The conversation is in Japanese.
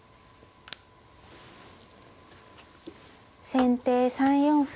先手３四歩。